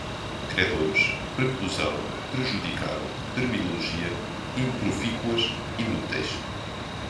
credores, preclusão, prejudicado, terminologia, improfícuas, inúteis